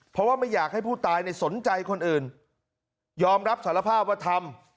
เพราะว่าไม่อยากให้ผู้ตายสนใจคนอื่นยอมรับสารภาพว่าทำ